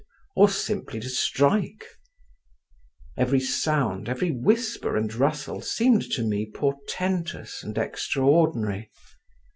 or simply to strike…. Every sound, every whisper and rustle, seemed to me portentous and extraordinary….